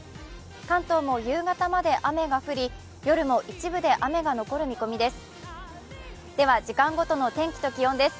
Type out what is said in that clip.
関東も夕方まで雨が降り、夜も一部で雨が残る見込みです。